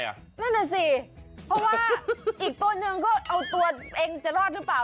นั่นน่ะสิเพราะว่าอีกตัวหนึ่งก็เอาตัวเองจะรอดหรือเปล่า